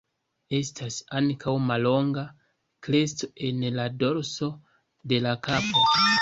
Estas ankaŭ mallonga kresto en la dorso de la kapo.